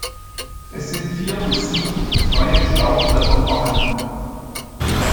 Es sind vier bis sieben freie Staubblätter vorhanden.